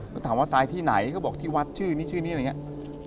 แล้วถามว่าตายที่ไหนเขาบอกที่วัดชื่อนี้ชื่อนี้อะไรอย่างนี้